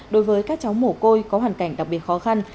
đối với các cháu mồ côi có hoàn cảnh đặc biệt khó khăn